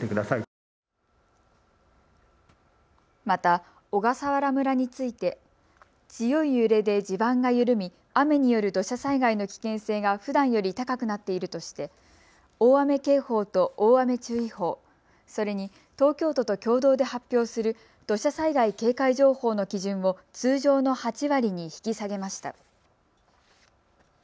また小笠原村について強い揺れで地盤が緩み、雨による土砂災害の危険性がふだんより高くなっているとして大雨警報と大雨注意報、それに東京都と共同で発表する土砂災害警戒情報の基準を通常の８割に引き下げました。